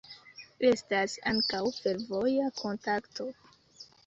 Estas ankaŭ fervoja kontakto.